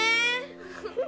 フフフ。